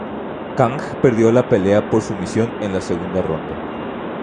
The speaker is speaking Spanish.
Kang perdió la pelea por sumisión en la segunda ronda.